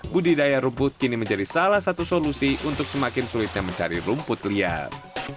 budidaya rumput kini menjadi salah satu solusi untuk semakin sulitnya mencari rumput liar